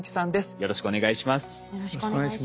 よろしくお願いします。